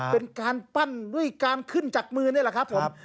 เป็นการปั้นด้วยการขึ้นจากมือนี่แหละครับผม